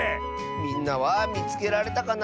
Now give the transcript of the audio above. みんなはみつけられたかな？